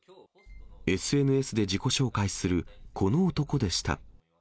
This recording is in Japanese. ＳＮＳで自己紹介するこの男でした。